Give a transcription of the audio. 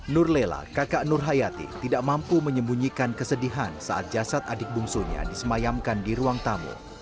nur lela kakak nur hayati tidak mampu menyembunyikan kesedihan saat jasad adik bungsunya disemayamkan di ruang tamu